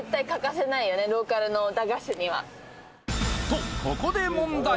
とここで問題